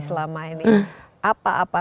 selama ini apa apa